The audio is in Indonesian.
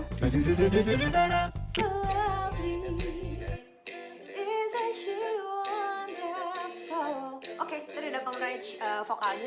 oke saya sudah mendapatkan rancangnya